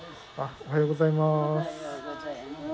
おはようございます。